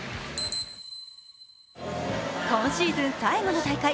今シーズン最後の大会